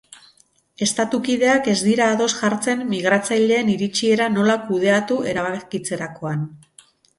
Estatukideak ez dira ados jartzen migratzaileen iritsiera nola kudeatu erabakitzerakoan.